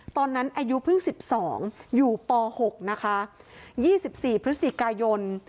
ตอนนั้นอายุพึ่งสิบสองอยู่ปหกนะคะยี่สิบสี่พฤษฎิกายน